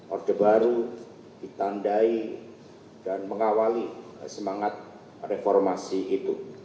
orde baru ditandai dan mengawali semangat reformasi itu